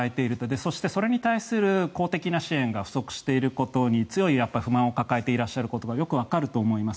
そして、それに対する公的な支援が不足していることに強い不満を抱えていらっしゃることがよくわかると思います。